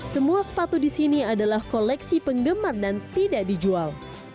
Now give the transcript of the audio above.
semua sepatu di sini adalah koleksi penggemar dan tidak dijual